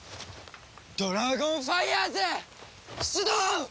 ドラゴンファイヤーズ出動！